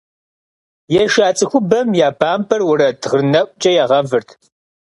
Еша цӀыхубэм я бампӀэр уэрэд гъырнэӀукӀэ ягъэвырт.